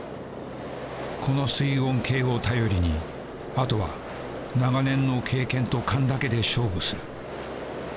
この水温計を頼りにあとは長年の経験と勘だけで勝負する。